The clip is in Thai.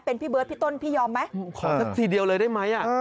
เป็นพี่เบิร์ดพี่ต้นพี่ยอมไหมขอสักทีเดียวเลยได้ไหม